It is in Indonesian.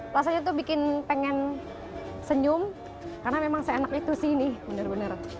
rasanya tuh bikin pengen senyum karena memang seenak itu sih ini benar benar